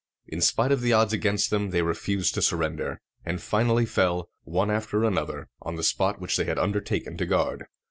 In spite of the odds against them, they refused to surrender, and finally fell, one after another, on the spot which they had undertaken to guard.